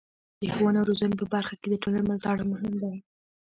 د ښوونې او روزنې په برخه کې د ټولنې ملاتړ مهم دی.